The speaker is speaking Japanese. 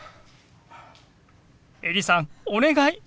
エリさんお願い！